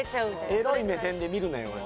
エロい目線で見るなよ。